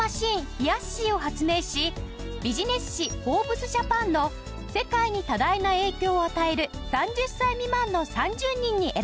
ひやっしーを発明しビジネス誌『ＦｏｒｂｅｓＪＡＰＡＮ』の世界に多大な影響を与える３０歳未満の３０人に選ばれた。